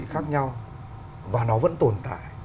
khác nhau và nó vẫn tồn tại